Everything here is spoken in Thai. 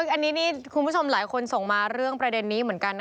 อันนี้นี่คุณผู้ชมหลายคนส่งมาเรื่องประเด็นนี้เหมือนกัน